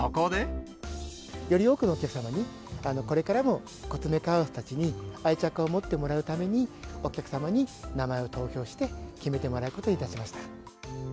より多くのお客様に、これからもコツメカワウソたちに愛着を持ってもらうために、お客様に名前を投票して、決めてもらうことにいたしました。